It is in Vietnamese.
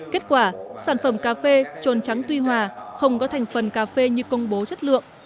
kết quả sản phẩm cà phê trồn trắng tuy hòa không có thành phần cà phê như công bố chất lượng